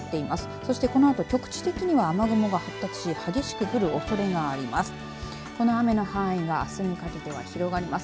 そして、このあと局地的に雨雲が発達し激しく降るおそれがあります。